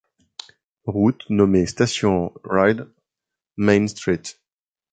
Route nommée Station Rd., Main St.